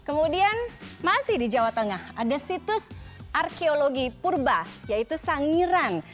kemudian masih di jawa tengah ada situs arkeologi purba yaitu sangiran